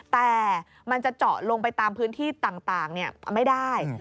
แต่มันจะเจาะลงไปตามพื้นที่ต่างไม่ได้